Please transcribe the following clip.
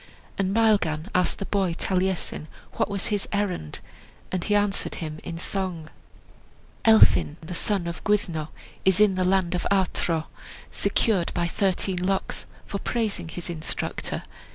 And Maelgan asked the boy Taliesin what was his errand, and he answered him in song: "Elphin, the son of Gwyddno, Is in the land of Artro, Secured by thirteen locks, For praising his instructor.